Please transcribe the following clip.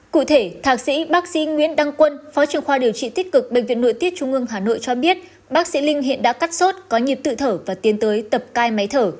cụ thể thạc sĩ bác sĩ nguyễn đăng quân phó trưởng khoa điều trị tích cực bệnh viện nội tiết trung ương hà nội cho biết bác sĩ linh hiện đã cắt sốt có nhịp tự thở và tiến tới tập cai máy thở